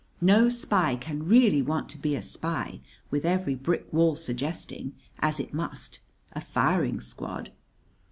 No spy can really want to be a spy with every brick wall suggesting, as it must, a firing squad.